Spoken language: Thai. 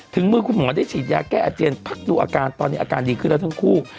ถึงมือคุณหมอได้ฉีดยาแก้อาเจียนพักดูอาการตอนนี้อาการดีขึ้นแล้วทั้งคู่